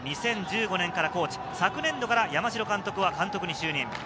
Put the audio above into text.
２０１５年からコーチ、昨年度から山城監督は監督に就任。